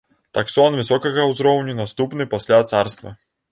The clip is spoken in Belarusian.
Таксон высокага ўзроўню, наступны пасля царства.